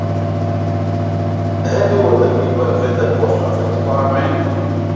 Happy were the people when the Post Office Dept.